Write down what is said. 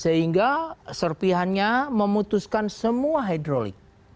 sehingga serpihannya memutuskan semua hidrolik